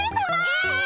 え！